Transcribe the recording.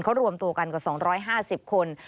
เขารวมตัวกันกว่า๒๕๐คน